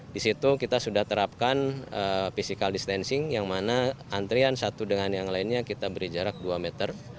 di situ kita sudah terapkan physical distancing yang mana antrian satu dengan yang lainnya kita beri jarak dua meter